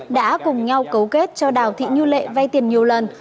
đã cùng nhau cấu kết cho đào thị như lệ vay tiền nhiều lần